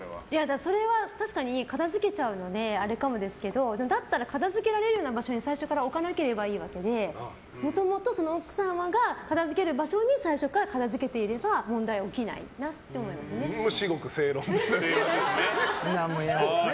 それは確かに片付けちゃうのであれかもですけどだったら片づけられるような場所に最初から置かなければいいわけでもともと、奥様が片づける場所に最初から片づけていれば至極、正論ですね。